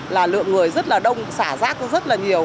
là lượng người rất là đông xả rác rất là nhiều